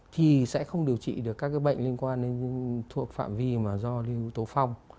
thì sẽ không điều trị được các cái bệnh liên quan đến thuộc phạm vi mà do yếu tố phong